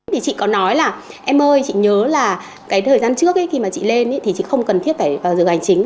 thì chị có nói là em ơi chị nhớ là cái thời gian trước khi mà chị lên thì chị không cần thiết phải vào giờ hành chính